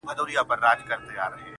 ته به په فکر وې! چي څنگه خرابيږي ژوند!